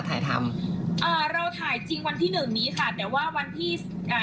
ถ่ายทำเอ่อเราถ่ายจริงวันที่หนึ่งนี้ค่ะแต่ว่าวันที่อ่า